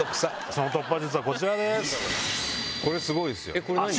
その突破術はこちらです。